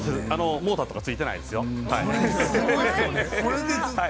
モーターとかついてないですよ。